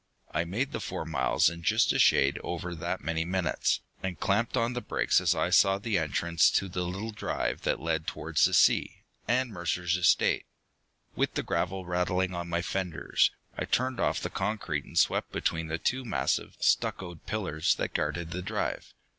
I made the four miles in just a shade over that many minutes, and clamped on the brakes as I saw the entrance to the little drive that led toward the sea, and Mercer's estate. With gravel rattling on my fenders, I turned off the concrete and swept between the two massive, stuccoed pillars that guarded the drive.